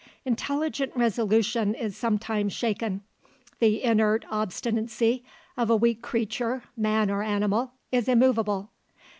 Intelligent resolution is sometimes shaken; the inert obstinacy of a weak creature, man or animal, is immovable.